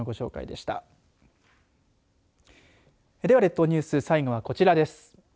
では、列島ニュース最後はこちらです。